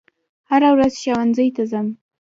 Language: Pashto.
هره ورځ ښوونځي ته ځم